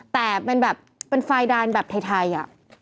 แต่เป็นแบบไฟล์ดายนแบบไทยอ่ะ